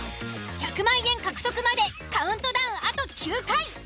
１００万円獲得までカウントダウンあと９回。